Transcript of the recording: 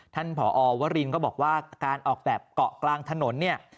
ท่านพอวรินก็บอกว่าการออกแบบเกาะกลางถนน